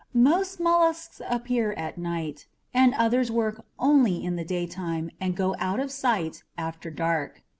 Most mollusks appear at night, but others work only in the daytime and go out of sight after dark.